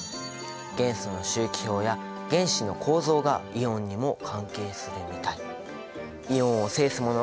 元素の周期表や原子の構造がイオンにも関係するみたい。